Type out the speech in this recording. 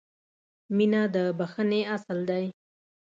• مینه د بښنې اصل دی.